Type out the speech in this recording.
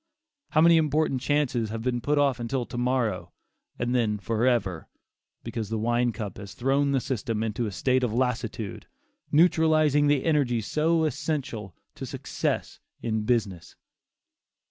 How many important chances have been put off until to morrow, and then forever, because the wine cup has thrown the system into a state of lassitude, neutralizing the energies so essential to success in business.